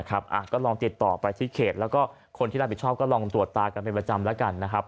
ก็ลองติดต่อไปที่เขตแล้วก็คนที่รับผิดชอบก็ลองตรวจตากันเป็นประจำแล้วกันนะครับ